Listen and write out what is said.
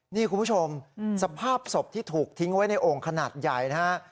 นี่คุณผู้ชมสภาพศพที่ถูกทิ้งไว้ในโอ่งขนาดใหญ่นะฮะ